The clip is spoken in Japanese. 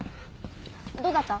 どうだった？